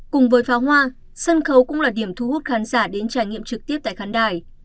cùng với pháo hoa sân khấu cũng là điểm thu hút khán giả đến trải nghiệm trực tiếp tại khán đài